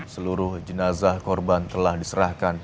seluruh jenazah korban telah diserahkan